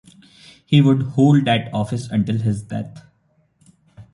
He would hold that office until his death.